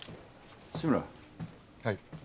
志村はい